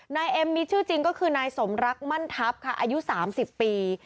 นายเอ็มมีชื่อจริงก็คือนายสมรักมั่นทัพค่ะอายุ๓๐ปี